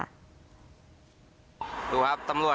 หญ้าพูดจริง